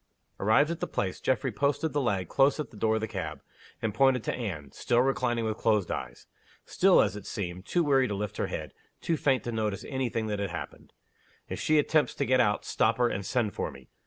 Arrived at the place, Geoffrey posted the lad close at the door of the cab, and pointed to Anne, still reclining with closed eyes; still, as it seemed, too weary to lift her head, too faint to notice any thing that happened. "If she attempts to get out, stop her, and send for me."